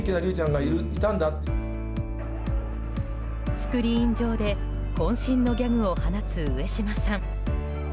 スクリーン上で渾身のギャグを放つ上島さん。